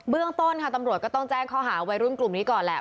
เรื่องต้นค่ะตำรวจก็ต้องแจ้งข้อหาวัยรุ่นกลุ่มนี้ก่อนแหละ